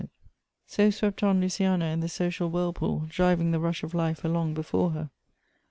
SO swept on Luciana in the social whirlpool, driving the rush of life along before her.